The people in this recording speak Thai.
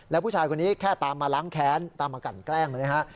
แล้วผู้ชายคนนี้แค่ตามมาล้างแค้นตามมากันแกล้งนะฮะ